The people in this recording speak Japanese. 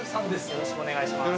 よろしくお願いします。